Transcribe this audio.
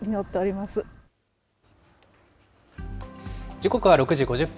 時刻は６時５０分。